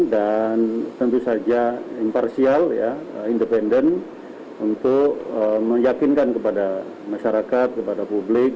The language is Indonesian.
dan tentu saja imparsial independen untuk meyakinkan kepada masyarakat kepada publik